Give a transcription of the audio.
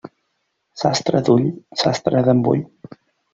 Sastre d'ull, sastre d'embull.